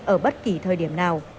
ở bất kỳ thời điểm nào